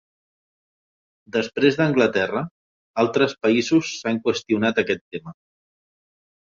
Després d'Anglaterra, altres països s'han qüestionat aquest tema.